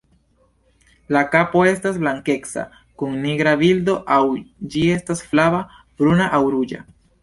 La kapo estas blankeca kun nigra bildo, aŭ ĝi estas flava, bruna aŭ ruĝa.